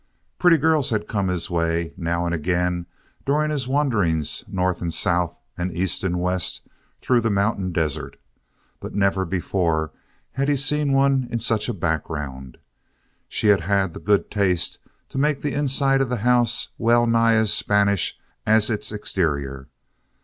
Pretty girls had come his way now and again during his wanderings north and south and east and west through the mountain deserts. But never before had he seen one in such a background. She had had the good taste to make the inside of the house well nigh as Spanish as its exterior.